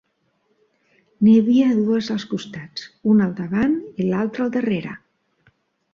N'hi havia dues als costats, una al davant i l'altra al darrere.